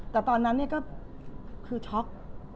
แต่ตอนนั้นเนี้ยก็คือช็อก